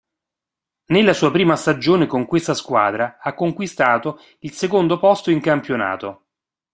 Nella sua prima stagione con questa squadra ha conquistato il secondo posto in campionato.